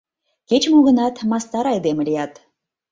Кеч-мо гынат, мастар айдеме лият.